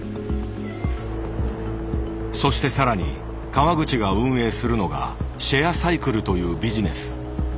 そして更に川口が運営するのが「シェアサイクル」というビジネス。